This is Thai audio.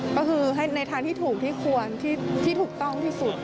ก็คือให้ในทางที่ถูกที่ควรที่ถูกต้องที่สุด